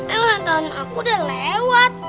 eh ulang tahun aku udah lewat